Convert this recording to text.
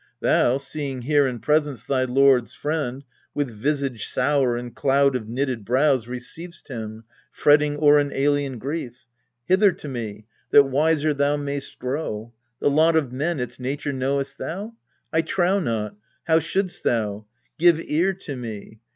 Thou, seeing here in presence thy lord's friend, With visage sour and cloud of knitted brows Receiv'st him, fretting o'er an alien grief. Hither to me, that wiser thou mayst grow. The lot of man its nature knowest thou? I trow not : how shouldst thou ? Give ear to me.